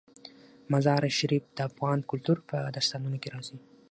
مزارشریف د افغان کلتور په داستانونو کې راځي.